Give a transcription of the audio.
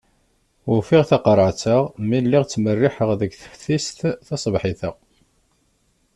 Ufiɣ taqerεet-a mi lliɣ ttmerriḥeɣ deg teftist taṣebḥit-a.